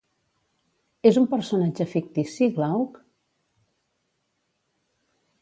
És un personatge fictici, Glauc?